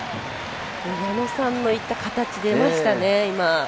矢野さんの言った形出ましたね、今。